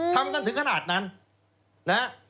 ทำกันถึงขนาดนั้นนะฮะ